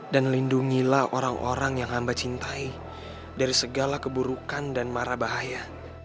dan lindungilah orang orang yang hamba cintai dari segala keburukan dan marah bahaya